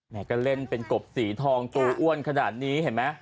ก็เล่นเป็นกบสีทองตัวอ้วนขนาดนี้เห็นไหม